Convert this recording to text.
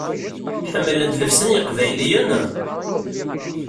Ḥemmlent llebsa n yeqbayliyen?